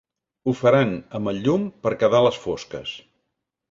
Ho faran amb el llum per quedar a les fosques.